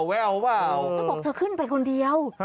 เธอบอกเธอขึ้นไปคนเดียว